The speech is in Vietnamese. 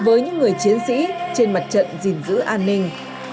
với những người chiến sĩ trên mặt trận gìn giữ an ninh